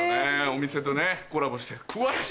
お店とねコラボして詳しいね。